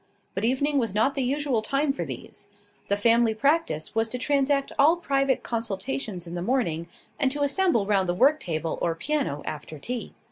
But evening was not the usual time for these. The family practice was to transact all private consultations in the morning, and to assemble round the work table or piano after tea.